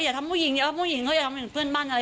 อย่าทำผู้หญิงอย่าว่าผู้หญิงเขาอย่าทำเหมือนเพื่อนบ้านอะไร